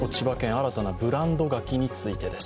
新たなブランドがきについてです。